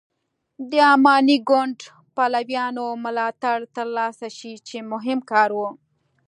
د اماني ګوند پلویانو ملاتړ تر لاسه شي چې مهم کار و.